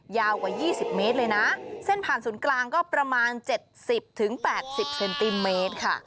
ยาวกว่ายี่สิบเมตรเลยนะเส้นผ่านศูนย์กลางก็ประมาณเจ็ดสิบถึงแปดสิบเซนติเมตรค่ะ